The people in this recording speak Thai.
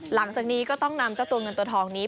หลังจากนี้ก็ต้องนำเจ้าตัวเงินตัวทองนี้